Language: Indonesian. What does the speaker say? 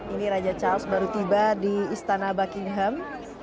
ini raja charles baru tiba di istana buckingham